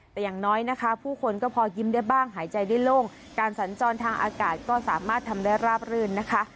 แต่อย่างน้อยนะคะผู้คนก็พอยิ้มได้บ้างหายใจได้โล่งการสัญจรทางอากาศก็สามารถทำได้ราบรื่นนะคะ